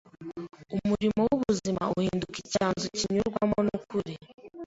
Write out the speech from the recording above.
umurimo w’ubuzima uhinduka icyanzu kinyurwamo n’ukuri